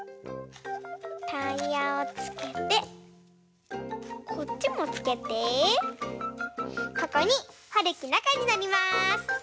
タイヤをつけてこっちもつけてここにはるきなかにのります！